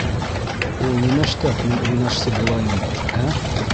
Ул нимәштәп мин уйнашсы булайым, ә?